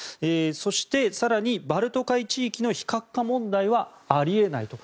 そして更にバルト海地域の非核化問題はあり得ないと。